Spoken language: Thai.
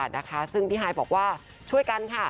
ถึงพี่หายบอกว่าช่วยกันนะคะ